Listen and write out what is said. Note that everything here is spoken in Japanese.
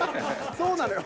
そうなのよ。